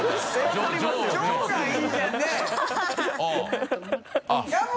丈」がいいじゃんね！